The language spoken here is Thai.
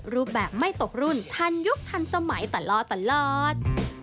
รูปแบบไม่ตกรุ่นทันยุคทันสมัยตลอด